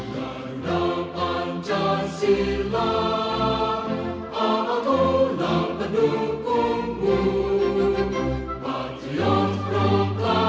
jangan lupa subscribe channel ini dan like video ini